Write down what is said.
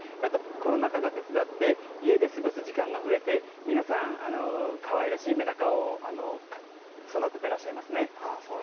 コロナ禍が手伝って家で過ごす時間が増えて皆さんかわいらしいめだかを育てていらっしゃいますね。